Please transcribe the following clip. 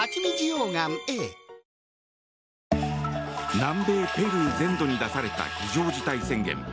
南米ペルー全土に出された非常事態宣言。